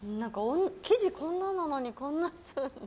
生地こんななのにこんなにするんだ？